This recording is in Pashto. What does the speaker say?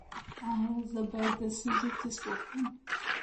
ایا زه باید د سږو ټسټ وکړم؟